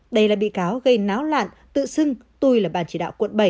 đây là bị cáo gây náo lạn tự xưng tui là ban chỉ đạo quận bảy